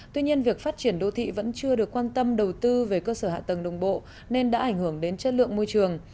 tuy nhiên việc phát triển đô thị vẫn chưa được quan tâm đầu tư về cơ sở hạ tầng đồng bộ nên đã ảnh hưởng đến chất lượng môi trường